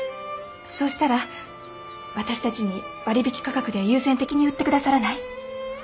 そうしたら私たちに割引価格で優先的に売って下さらない？